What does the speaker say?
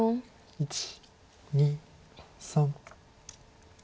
１２３。